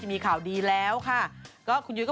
จะมีข่าวดีแล้วหล่ะ